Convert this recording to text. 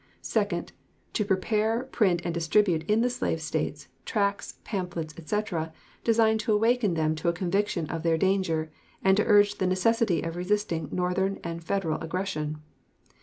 Second. To prepare, print, and distribute in the slave States, tracts, pamphlets, etc., designed to awaken them to a conviction of their danger, and to urge the necessity of resisting Northern and Federal aggression.